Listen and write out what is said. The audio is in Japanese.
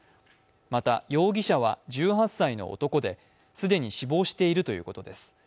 また容疑者は１８歳の男で既に死亡しているということです。